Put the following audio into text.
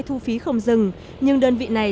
thu phí không dừng nhưng đơn vị này